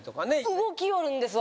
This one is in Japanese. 動きよるんですわ